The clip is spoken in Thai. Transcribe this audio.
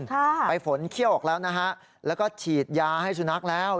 ค่ะไปฝนเขี้ยวออกแล้วนะฮะแล้วก็ฉีดยาให้สุนัขแล้ว